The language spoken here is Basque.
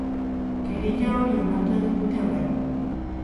Kereila hori onartu egin dute orain.